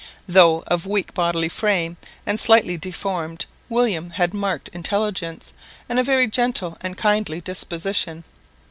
Though of weakly bodily frame and slightly deformed, William had marked intelligence, and a very gentle and kindly disposition.